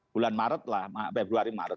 bulan maret lah februari maret